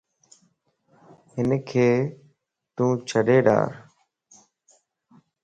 ھنک تو ڇڏي ڊار